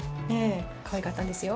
かわいかったんですよ